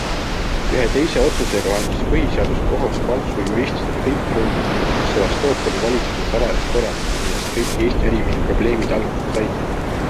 Ühe teise otsusega andis põhiseaduskohus Paltsu juristidele kõik trumbid muutmaks Sevastopoli valitsuse salajast korraldust, millest kõik Eesti ärimehe probleemid alguse saidki.